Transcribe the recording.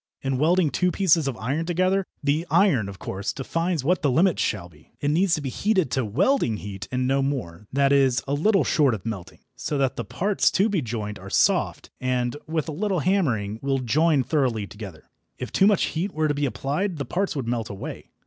In welding two pieces of iron together, the iron, of course, defines what the limit shall be. It needs to be heated to "welding heat" and no more that is, a little short of melting so that the parts to be joined are soft, and, with a little hammering, will join thoroughly together. If too much heat were to be applied the parts would melt away.